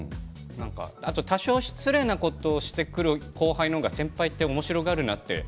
あと多少、失礼なことをしてくる後輩の方が先輩がおもしろがるなと。